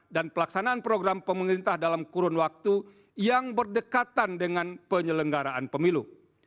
dan pelaksanaan program pemerintah dalam kurun waktu yang berdekatan dengan penyelenggaraan pemilu